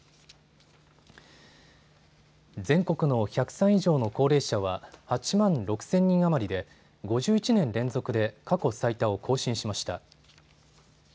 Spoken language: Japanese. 全国の１００歳以上の高齢者は８万６０００人余りで５１年連続で過去最多を更新しました。